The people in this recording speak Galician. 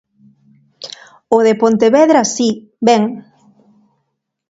O de Pontevedra si, ben.